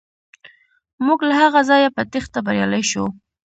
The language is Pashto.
موږ له هغه ځایه په تیښته بریالي شو.